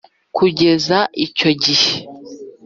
Kugeza icyo gihe,